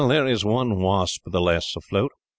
There is one wasp the less afloat."